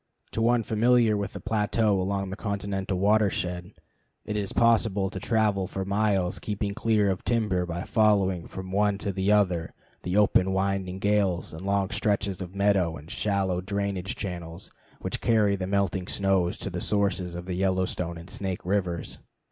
To one familiar with the plateau along the continental watershed it is possible to travel for miles keeping clear of timber by following from one to the other the open, winding glades and long stretches of meadows and shallow drainage channels which carry the melting snows to the sources of the Yellowstone and Snake rivers.